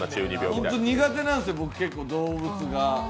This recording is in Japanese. ホント苦手なんですよ、結構動物が。